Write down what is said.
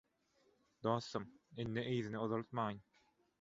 Dostum, indi yzyny uzaltmaýyn